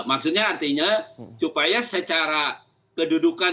maksudnya artinya supaya secara kedudukan